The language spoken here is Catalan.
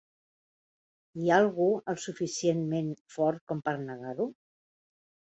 Hi ha algú el suficientment fort com per negar-ho?